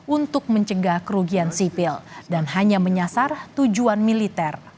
untuk mencegah kerugian sipil dan hanya menyasar tujuan militer